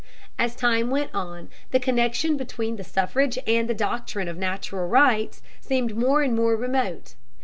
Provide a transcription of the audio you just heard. As time went on, the connection between the suffrage and the doctrine of natural rights seemed more and more remote.